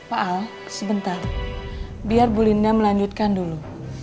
pak al sebentar biar bu linda melanjutkan dulu